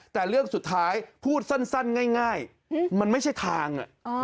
แต่เรื่องสุดท้ายพูดสั้นง่ายมันไม่ใช่ทาง